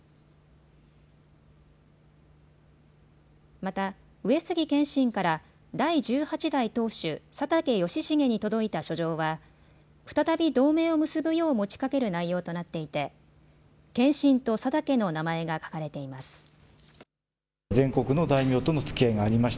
また、上杉謙信から第１８代当主・佐竹義重に届いた書状は再び同盟を結ぶよう持ちかける内容となっていて謙信と佐竹の名前が書かれています。